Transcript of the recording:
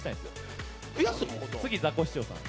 次ザコシショウさん。